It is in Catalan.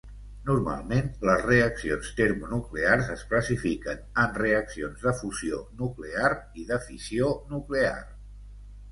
Normalment les reaccions termonuclears es classifiquen en reaccions de fusió nuclear i de fissió nuclear.